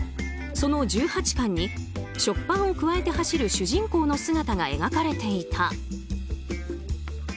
その１８巻に食パンをくわえて走る主人公の姿が描かれていた。